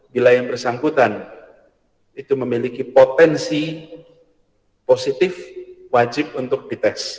bila yang bersangkutan itu memiliki potensi positif wajib untuk diteks